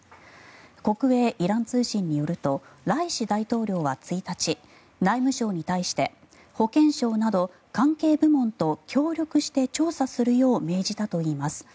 国営イラン通信によるとライシ大統領は１日内務相に対して保健省など関係部門と協力して調査するよう命じたといいます。